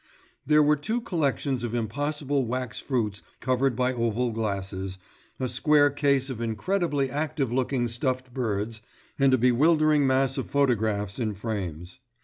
There were two collections of impossible wax fruits covered by oval glasses, a square case of incredibly active looking stuffed birds, and a bewildering mass of photographs in frames.